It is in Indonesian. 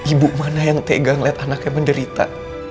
ibu mana yang tega ngeliat anaknya menderita